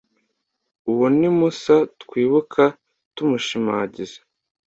Uwo ni Musa twibuka tumushimagiza.